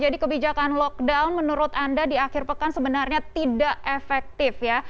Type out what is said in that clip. jadi kebijakan lockdown menurut anda di akhir pekan sebenarnya tidak efektif ya